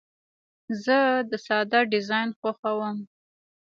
زه د ساده ډیزاین خوښوم.